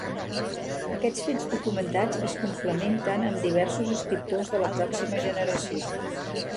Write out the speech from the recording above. Aquests fets documentats es complementen amb diversos escriptors de la pròxima generació.